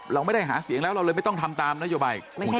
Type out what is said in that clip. เราไม่ได้หาเสียงแล้วเราเลยไม่ต้องทำตามนโยบาย